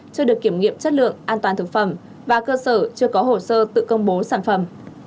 chưa được kiểm nghiệm chất lượng an toàn thực phẩm và cơ sở chưa có hồ sơ tự công bố sản phẩm